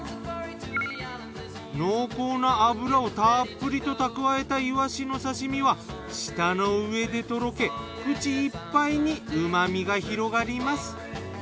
濃厚な脂をたっぷりと蓄えたイワシの刺身は舌の上でとろけ口いっぱいに旨みが広がります。